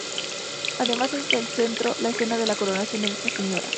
Además, en el centro, la escena de la coronación de Nuestra Señora.